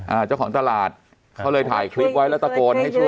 เจ้าของตลาดเขาเลยถ่ายคลิปไว้แล้วตะโกนให้ช่วย